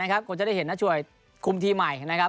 คงจะได้เห็นหน้าช่วยคุมทีมใหม่นะครับ